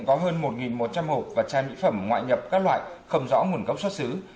có hơn một một trăm linh hộp và chai mỹ phẩm ngoại nhập các loại không rõ nguồn gốc xuất xứ